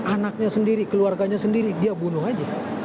anaknya sendiri keluarganya sendiri dia bunuh aja